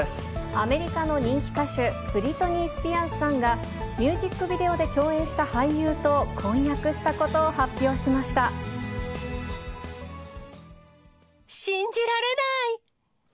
アメリカの人気歌手、ブリトニー・スピアーズさんがミュージックビデオで共演した俳優信じられない！